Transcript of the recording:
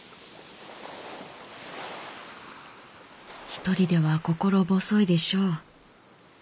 「ひとりでは心細いでしょう。